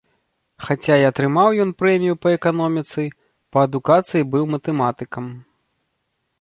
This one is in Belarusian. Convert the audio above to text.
Хаця і атрымаў ён прэмію па эканоміцы, па адукацыі быў матэматыкам.